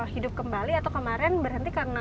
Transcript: hidup kembali atau kemarin berhenti karena